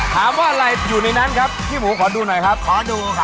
ถามว่าอะไรอยู่ในนั้นครับพี่หมูขอดูหน่อยครับขอดูค่ะ